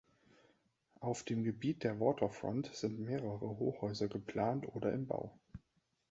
Auf dem Gebiet der Waterfront sind mehrere Hochhäuser geplant oder in Bau.